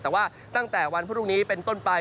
แต่ว่าตั้งแต่วันพรุ่งนี้เป็นต้นไป